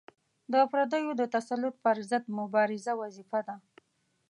د پردیو د تسلط پر ضد مبارزه وظیفه ده.